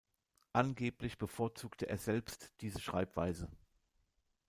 Angeblich bevorzugte er selbst diese Schreibweise.